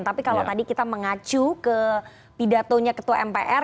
tapi kalau tadi kita mengacu ke pidatonya ketua mpr